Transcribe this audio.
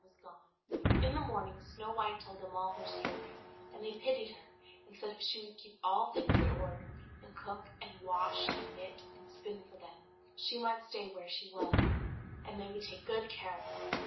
[Illustration: THE MAGIC MIRROR "LITTLE SNOW WHITE"] In the morning Snow White told them all her story; and they pitied her, and said if she would keep all things in order, and cook and wash, and knit and spin for them, she might stay where she was, and they would take good care of her.